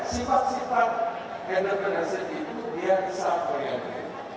sifat sifat energi dan segitu dia bisa korektir